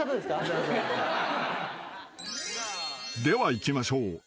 ［ではいきましょう］